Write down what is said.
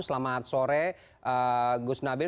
selamat sore gus nabil